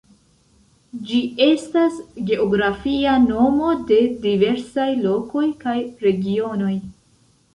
Ĝi estas geografia nomo de diversaj lokoj kaj regionoj.